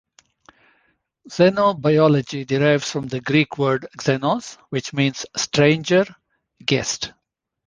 Xenobiology derives from the Greek word "xenos", which means "stranger, guest".